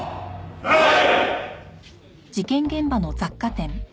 はい！